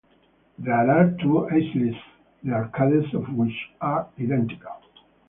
There are two aisles the arcades of which are identical.